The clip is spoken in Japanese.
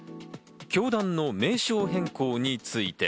教団の名称変更について。